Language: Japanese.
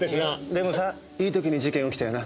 でもさいい時に事件起きたよな。